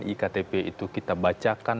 iktp itu kita bacakan